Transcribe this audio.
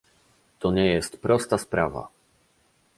To nie jest prosta sprawa